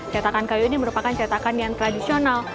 cetakan kayu ini merupakan cetakan yang tradisional